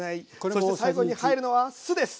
そして最後に入るのは酢です！